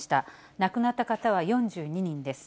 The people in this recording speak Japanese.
亡くなった方は４２人です。